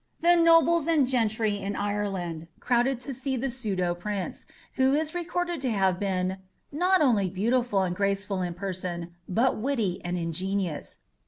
The nobles and gentry in Ireland crowded to see the pseudo prince, who is recorded to have been "not only beautiful and graceful in person, but witty and ingenious.